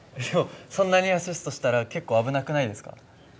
でもそんなにアシストしたら結構危なくないですか？